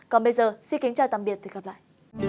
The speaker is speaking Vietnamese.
còn bây giờ xin kính chào tạm biệt và hẹn gặp lại